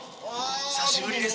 久しぶりです。